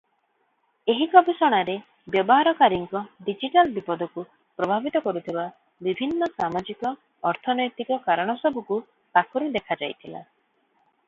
ଏହି ଗବେଷଣାରେ ବ୍ୟବହାରକାରୀଙ୍କ ଡିଜିଟାଲ ବିପଦକୁ ପ୍ରଭାବିତ କରୁଥିବା ବିଭିନ୍ନ ସାମାଜିକ-ଅର୍ଥନୈତିକ କାରଣସବୁକୁ ପାଖରୁ ଦେଖାଯାଇଥିଲା ।